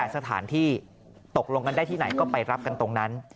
สถานที่ตกลงกันได้ที่ไหนก็ไปรับกันตรงนั้น